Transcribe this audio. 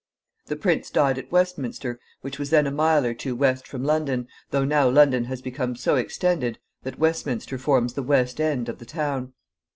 The prince died at Westminster, which was then a mile or two west from London, though now London has become so extended that Westminster forms the west end of the town.